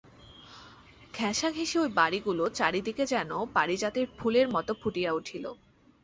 ঘেঁষাঘেঁষি ঐ বাড়িগুলো চারি দিকে যেন পারিজাতের ফুলের মতো ফুটিয়া উঠিল।